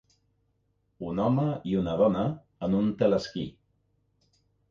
Un home i una dona en un teleesquí.